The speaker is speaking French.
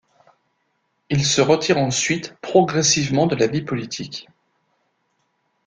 Il se retire ensuite progressivement de la vie politique.